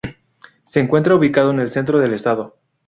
Se encuentra ubicado en el centro del estado.